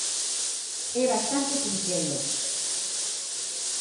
É bastante sinxelo.